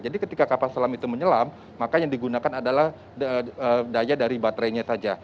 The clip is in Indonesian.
jadi ketika kapal selam itu menyelam maka yang digunakan adalah daya dari baterainya saja